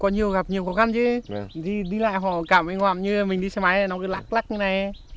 có nhiều gặp nhiều khó khăn chứ đi lại họ cạo vô âm như mình đi xe máy nó cứ lắc lắc như này